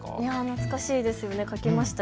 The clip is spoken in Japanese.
懐かしいですよね。